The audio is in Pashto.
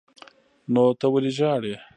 نو ته ولې ژاړې.